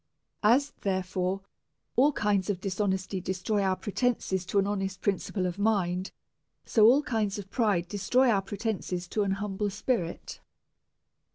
As, therefore, all kinds of dishonesty destroy our pretences to an honest principle of mind, so ail kinds of pride destroy our pretences to an humble spirit.